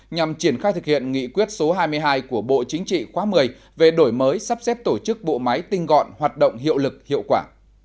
nhằm triển khai thực hiện nghị quyết số hai mươi hai của bộ chính trị khóa một mươi về đổi mới sắp xếp tổ chức bộ máy tinh gọn hoạt động hiệu lực hiệu quả